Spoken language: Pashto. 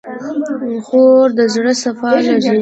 خور د زړه صفا لري.